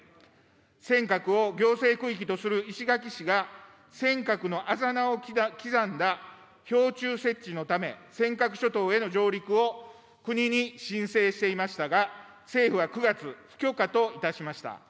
尖閣を行政区域とする石垣市が、尖閣のあざ名を刻んだ標柱設置のため、尖閣諸島への上陸を国に申請していましたが、政府は９月、不許可といたしました。